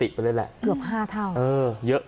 ก็แค่มีเรื่องเดียวให้มันพอแค่นี้เถอะ